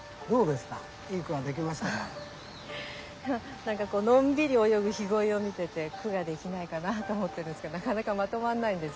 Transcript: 何かのんびり泳ぐ緋鯉を見てて句が出来ないかなと思ってるんですけどなかなかまとまんないんです。